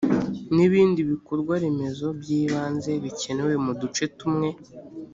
n ibindi bikorwaremezo by ibanze bikenewe mu duce tumwe